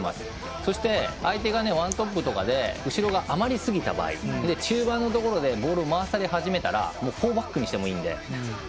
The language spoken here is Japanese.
そして、相手がワントップとかで後ろが余りすぎた場合中盤のところでボールを回され始めたらフォーバックにしてもいいんで。